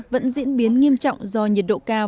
vẫn diễn biến nghiêm trọng do nhiệt độ cao